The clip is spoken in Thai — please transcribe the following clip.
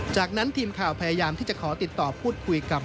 จากนั้นทีมข่าวพยายามที่จะขอติดต่อพูดคุยกับ